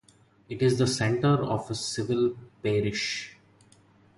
It is the centre of a Civil Parish.